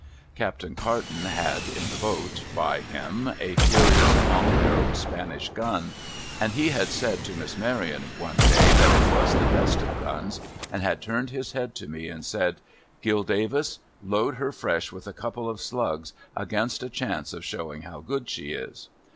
Captain Carton had, in the boat by him, a curious long barrelled Spanish gun, and he had said to Miss Maryon one day that it was the best of guns, and had turned his head to me, and said :' Gill Davis, load her fresh with a couple of slugs, against a chance of showing how good she is.'